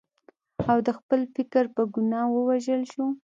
او د خپل فکر په ګناه ووژل شو.